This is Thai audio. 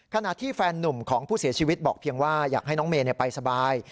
ขณะที่แฟนนุ่มของผู้เสียชีวิตบอกเพียงว่าอยากให้น้องเมย์ไปสบาย